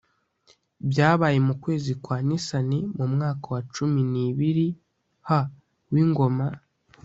byabaye mu kwezi kwa nisani mu mwaka wa cumi n ibirih w ingoma